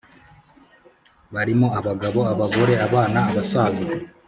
barimo abagabo, abagore, abana, abasaza,